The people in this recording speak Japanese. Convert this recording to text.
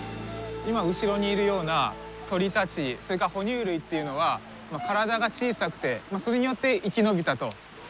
今後ろにいるような鳥たちそれから哺乳類というのは体が小さくてそれによって生き延びたといわれてるわけですよね。